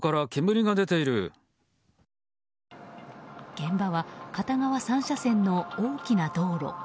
現場は片側３車線の大きな道路。